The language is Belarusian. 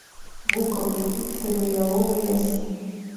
Букавыя, піхтавыя і яловыя лясы.